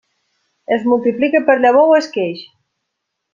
Es multiplica per llavor o esqueix.